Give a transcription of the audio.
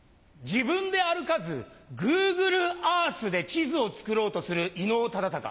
自分で歩かずグーグルアースで地図を作ろうとする伊能忠敬。